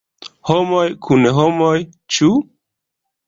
“Homoj kun homoj”, ĉu?